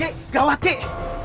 kek gawat kek